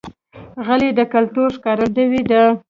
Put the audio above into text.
غلۍ د کلتور ښکارندوی ده.